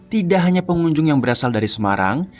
tidak hanya pengunjung yang berasal dari semarang